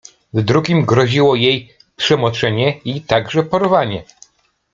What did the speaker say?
W drugim groziło jej przemoczenie i także porwanie.